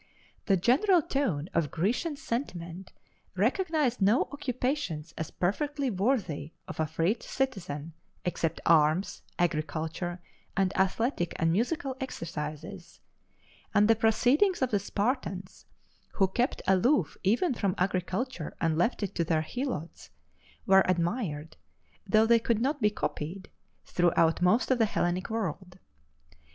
The general tone of Grecian sentiment recognized no occupations as perfectly worthy of a free citizen except arms, agriculture, and athletic and musical exercises; and the proceedings of the Spartans, who kept aloof even from agriculture and left it to their helots, were admired, though they could not be copied, throughout most of the Hellenic world.